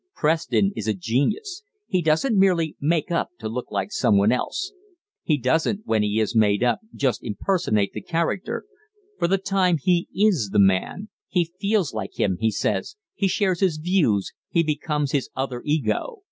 "Preston is a genius. He doesn't merely 'make up' to look like someone else; he doesn't, when he is made up, just impersonate the character; for the time he is the man, he 'feels like him,' he says, he shares his views, he becomes his other ego.